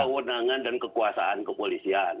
kewenangan dan kekuasaan kepolisian